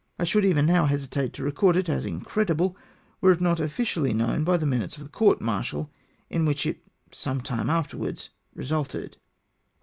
I should even now hesitate to record it as incredible, were it not officiaUy known by the minutes of the court martial in which it some time afterwards resulted.